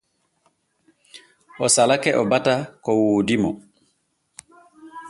O salake o bata ko woodi mo.